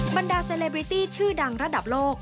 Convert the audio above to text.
บรรดาเซเลบริตี้ชื่อดังระดับโลก